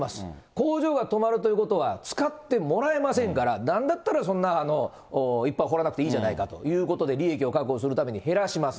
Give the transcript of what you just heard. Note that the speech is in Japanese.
工場が止まるということは、使ってもらえませんから、なんだったら、そんないっぱい掘らなくてもいいじゃないかということで、利益を確保するために減らします。